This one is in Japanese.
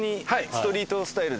ストリートスタイル？